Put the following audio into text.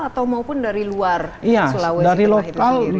atau maupun dari luar sulawesi